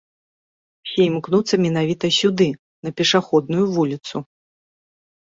Усе імкнуцца менавіта сюды, на пешаходную вуліцу.